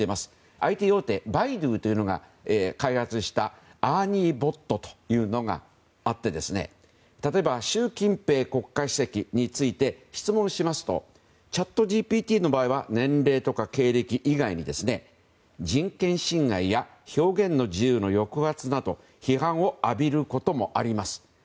ＩＴ大手のバイドゥが開発したアーニー・ボットというのがあって例えば、習近平国家主席について質問しますとチャットＧＰＴの場合は年齢とか経歴以外に人権侵害や表現の自由の抑圧など批判を浴びることもあります。